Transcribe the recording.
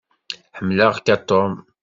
Ḥemmleɣ-k a Tom.